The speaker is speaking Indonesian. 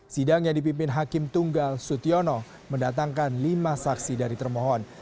sidang yang dipimpin hakim tunggal sutiono mendatangkan lima saksi dari termohon